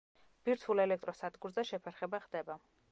ბირთვულ ელექტროსადგურზე შეფერხება ხდება.